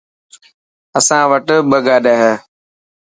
اسان وٽ ٻه گاڏي هي.